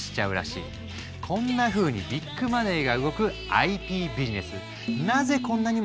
こんなふうにビッグマネーが動くＩＰビジネス。